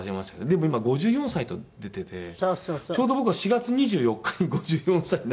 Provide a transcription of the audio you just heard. でも今５４歳と出ててちょうど僕は４月２４日に５４歳に。